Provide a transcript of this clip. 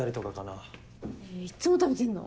いっつも食べてんの？